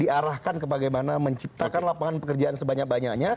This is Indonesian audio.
diarahkan ke bagaimana menciptakan lapangan pekerjaan sebanyak banyaknya